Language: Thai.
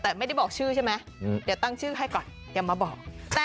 แต่ไม่ได้บอกชื่อใช่ไหมเดี๋ยวตั้งชื่อให้ก่อนอย่ามาบอก